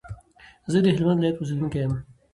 زه دهلمند ولایت اوسیدونکی یم.